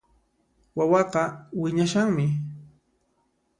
Wawaqa wiñashanmi